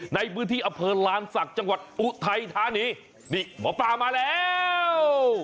ในพื้นที่อำเภอลานศักดิ์จังหวัดอุทัยธานีนี่หมอปลามาแล้ว